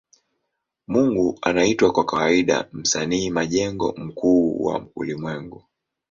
Mungu anaitwa kwa kawaida Msanii majengo mkuu wa ulimwengu.